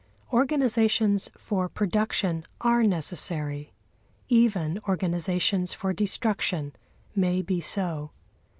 Organisations for production are necessary. Even organisations for destruction may be so.